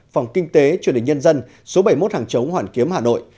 phòng kinh tế truyền hình nhân dân số bảy mươi một hàng chống hoàn kiếm hà nội